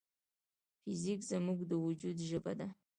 فزیک زموږ د وجود ژبه ده.